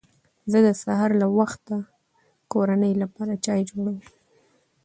زه د سهار له وخته د کورنۍ لپاره چای جوړوم